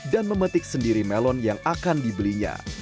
dan memetik sendiri melon yang akan dibelinya